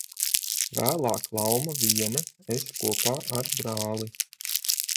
Vēlāk Lauma viena, es kopā ar brāli.